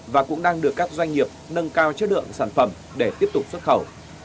và cũng đang được các doanh nghiệp nâng cao chất lượng sản phẩm để tiếp tục xuất khẩu